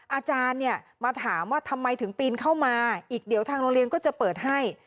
อาจารย์เนี่ยมาถามว่าทำไมถึงปีนเข้ามาอีกเดี๋ยวทางโรงเรียนก็จะเปิดให้